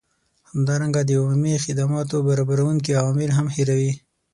همدارنګه د عمومي خدماتو برابروونکي عوامل هم هیروي